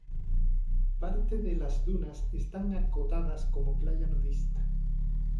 Parte de las dunas están acotadas como playa nudista.